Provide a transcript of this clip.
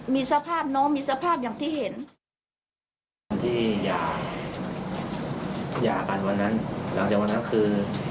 มีสภาพน้องมีสภาพอย่างที่เห็นตอนที่หย่ากันวันนั้นหลังจากวันนั้นคือ